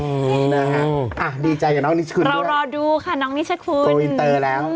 นะครับอ่ะดีใจน้องนิชคุณรอดูค่ะน้องนิชคุณโกวินเตอร์แล้ว